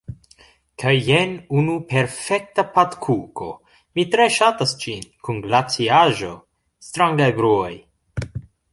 Kaj jen unu perfekta patkuko, mi tre ŝatas ĝin, kun glaciaĵo. strangaj bruoj